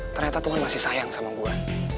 ternyata tuhan masih sayang sama gue